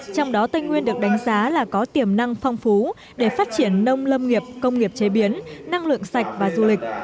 trong đó tây nguyên được đánh giá là có tiềm năng phong phú để phát triển nông lâm nghiệp công nghiệp chế biến năng lượng sạch và du lịch